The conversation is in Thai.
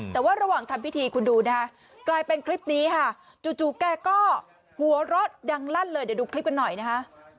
แต่ว่าระหว่างทำพิธีคุณดูนะคะกลายเป็นคลิปนี้ค่ะจู่แกก็หัวเราะดังลั่นเลยเดี๋ยวดูคลิปกันหน่อยนะคะ